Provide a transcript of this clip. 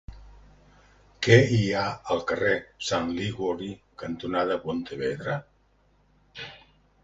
Què hi ha al carrer Sant Liguori cantonada Pontevedra?